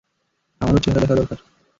আমার ওর চেহারা দেখা দরকার।